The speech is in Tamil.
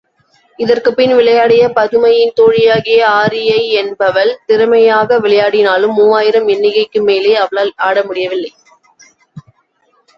இதற்குப்பின் விளையாடிய பதுமையின் தோழியாகிய ஆரியை என்பவள், திறமையாக விளையாடினாலும், மூவாயிரம் எண்ணிக்கைக்கு மேலே அவளால் ஆடமுடியவில்லை.